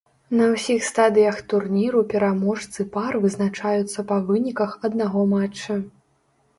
На ўсіх стадыях турніру пераможцы пар вызначаюцца па выніках аднаго матча.